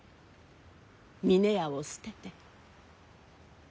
峰屋を捨てて。